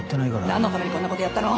何のためにこんなことやったの？